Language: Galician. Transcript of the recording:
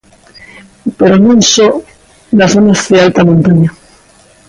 Pero non só nas zonas de alta montaña.